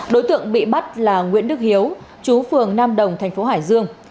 đối tượng bị bắt là nguyễn đức hiếu chú phường nam đồng thành phố hải dương